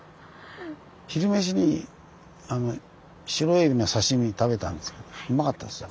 昼飯にシロエビの刺身食べたんですけどうまかったですよ。